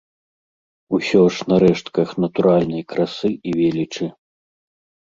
Усё ж на рэштках натуральнай красы і велічы.